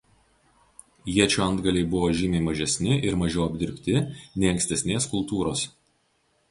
Iečių antgaliai buvo žymiai mažesni ir mažiau apdirbti nei ankstesnės kultūros.